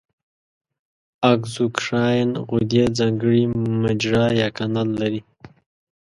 اګزوکراین غدې ځانګړې مجرا یا کانال لري.